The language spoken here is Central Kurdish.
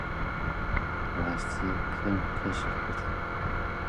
ڕاستییەکەم کەشف کرد.